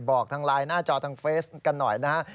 บอกทางไลน์หน้าจอทางเฟซกันหน่อยนะฮะ